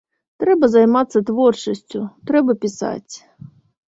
Трэба займацца творчасцю, трэба пісаць!